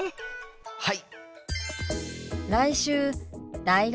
はい！